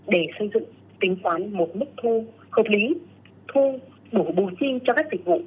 để xây dựng tính toán một mức thu hợp lý thu đủ bù chi cho các dịch vụ